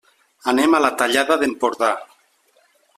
Anem a la Tallada d'Empordà.